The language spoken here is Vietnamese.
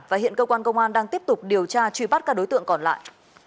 và hiện cơ quan công an đang tiếp tục điều tra truy bắt các đối tượng còn lại